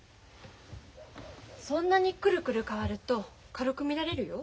そんなにクルクル変わると軽く見られるよ。